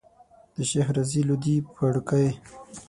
د شيخ رضی لودي پاړکی.